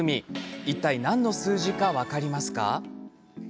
いったい何の数字か分かりますか。